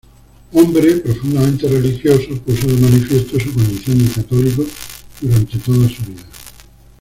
Hombre profundamente religioso, puso de manifiesto su condición de católico durante toda su vida.